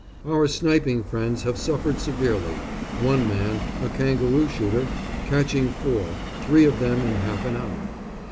Our sniping friends have suffered severely, one man, a kangaroo shooter, catching four, three of them in half an hour.